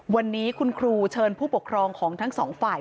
วันนี้คุณครูเชิญผู้ปกครองของทั้งสองฝ่าย